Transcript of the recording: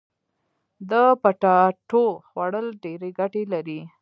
د پټاټو خوړل ډيري ګټي لري.